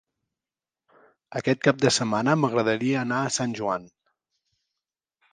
Aquest cap de setmana m'agradaria anar a Sant Joan.